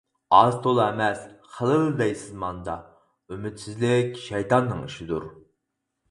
ئاز تولا ئەمەس، خېلىلا دەيسىز ماندا. ئۈمىدسىزلىك شەيتاننىڭ ئىشىدۇر!